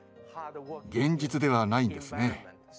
現実ではないんですね。